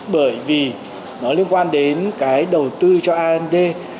bởi vì nó liên quan đến cái đầu tư cho and